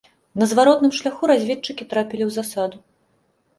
На зваротным шляху разведчыкі трапілі ў засаду.